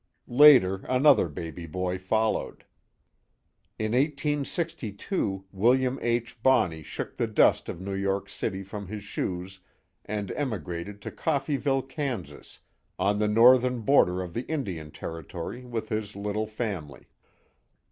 Later, another baby boy followed. In 1862 William H. Bonney shook the dust of New York City from his shoes and emigrated to Coffeeville, Kansas, on the northern border of the Indian Territory, with his little family.